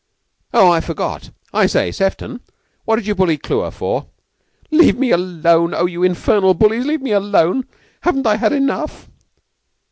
"Oh, I forgot! I say, Sefton, what did you bully Clewer for?" "Leave me alone! Oh, you infernal bullies, leave me alone! Haven't I had enough?"